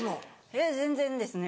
いや全然ですね